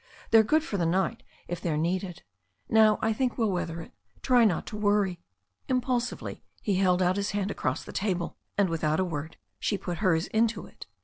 They're good for the night if they are needed. Now I think we'll weather it. Try not to worry." Impulsively he held out his hand across the table, and without a word she put hers into it.